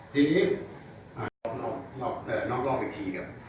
ทีนี้คือคุณอีกที